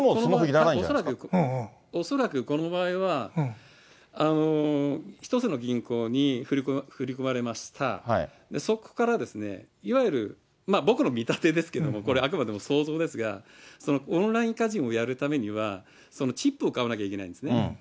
恐らくこの場合は、１つの銀行に振り込まれました、そこから、いわゆる僕の見立てですけども、これ、あくまでも想像ですが、オンラインカジノをやるためには、チップを買わなきゃいけないんですね。